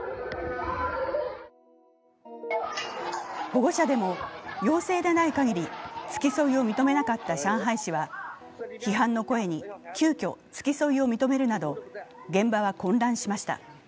保護者でも陽性でないかぎり付き添いを認めなかった上海市は、批判の声に急きょ、付き添いを認めるなど現場は混乱しました。